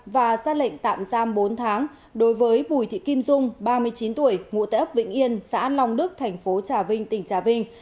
và ra lệnh tạm giam bốn tháng đối với bùi thị kim dung ba mươi chín tuổi ngụ tại ấp vĩnh yên xã long đức thành phố trà vinh tỉnh trà vinh